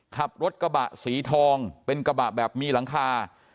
ขับรถกระบะสีทองเป็นกระบะแบบมีหลังคา